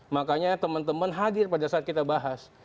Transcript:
makanya teman teman hadir pada saat kita bahas